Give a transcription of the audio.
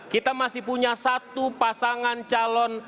kita masih punya satu pasangan calon